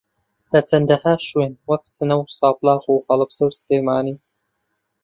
لە چەندەھا شوێن وەک سنە و سابڵاخ و ھەڵەبجە و سلێمانی